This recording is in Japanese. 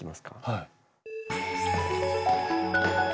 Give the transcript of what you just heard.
はい。